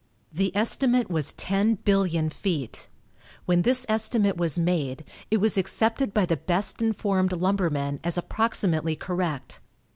The estimate was 10,000,000,000 feet. When this estimate was made, it was accepted by the best informed lumbermen as approximately correct.